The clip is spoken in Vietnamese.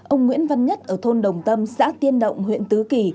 ông nguyễn văn nhất ở thôn đồng tâm xã tiên động huyện tứ kỳ